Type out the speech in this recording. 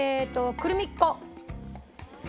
クルミッ子。